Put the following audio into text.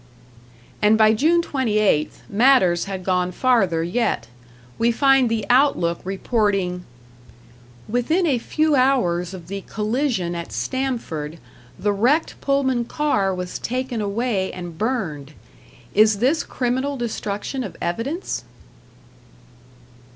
And by June 28th, matters had gone farther yet; we find the "Outlook" reporting: Within a few hours of the collision at Stamford, the wrecked Pullman car was taken away and burned. Is this criminal destruction of evidence?